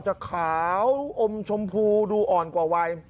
จะขาวอมชมพูดูอ่อนกว่าวัย